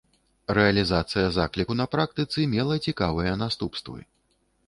Рэалізацыя закліку на практыцы мела цікавыя наступствы.